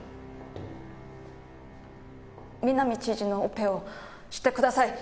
南知事のオペをしてください。